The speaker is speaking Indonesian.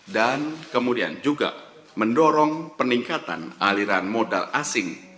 dan kemudian juga mendorong peningkatan aliran modal asing